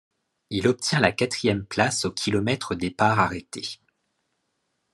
Il obtient la quatrième place au kilomètre départ arrêté.